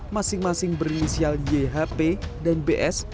masing masing berinisial yhp dan bs